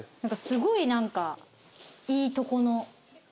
すごい何かいいとこの。